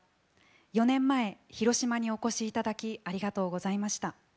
４年前広島にお越しいただきありがとうございました。